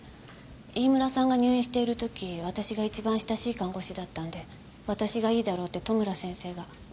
飯村さんが入院している時私が一番親しい看護師だったんで私がいいだろうって戸村先生が。